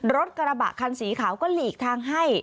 รถกระบะคันสีขาวก็หลีกทางให้